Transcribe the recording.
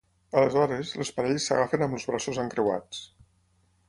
Aleshores, les parelles s'agafen amb els braços encreuats.